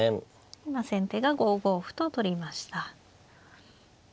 今先手が５五歩と取りました。